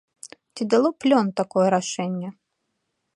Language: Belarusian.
Ці дало плён такое рашэнне?